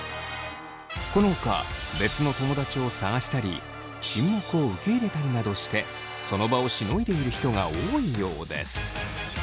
このほか別の友だちを探したり沈黙を受け入れたりなどしてその場をしのいでいる人が多いようです。